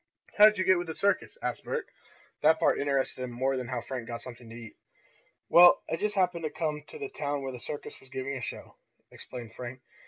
"How did you get with the circus?" asked Bert. That part interested him more than how Frank got something to eat. "Well, I just happened to come to the town where the circus was giving a show," explained Frank.